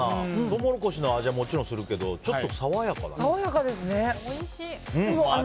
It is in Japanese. トウモロコシの味はもちろんするけどちょっと爽やかだね。